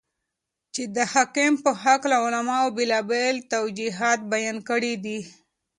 چې دحكم په هكله علماؤ بيلابيل توجيهات بيان كړي دي.